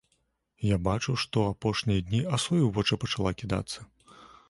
Я бачу, што апошнія дні асою ў вочы пачала кідацца!